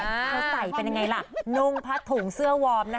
เขาใส่เป็นอายุแดงนู้นผัสถุงเสื้อวอม